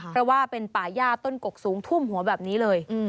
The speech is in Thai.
เพราะว่าเป็นป่าย่าต้นกกสูงทุ่มหัวแบบนี้เลย